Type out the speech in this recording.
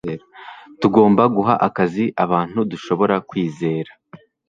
tugomba guha akazi abantu dushobora kwizera